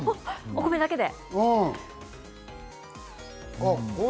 お米だけで。